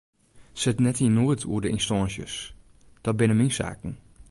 Sit net yn noed oer de ynstânsjes, dat binne myn saken.